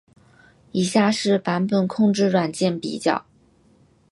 以下是版本控制软件比较。